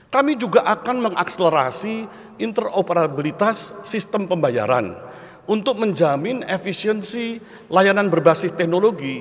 kami juga akan mengakselerasi interoperabilitas sistem pembayaran untuk menjamin efisiensi layanan berbasis teknologi